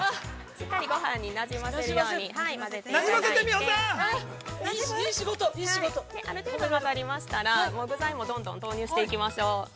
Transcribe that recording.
◆しっかりごはんになじませるように混ぜていただいてある程度、混ざりましたら具材もどんどん投入していきましょう。